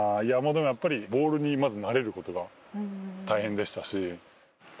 いやでもやっぱりボールにまず慣れる事が大変でしたし。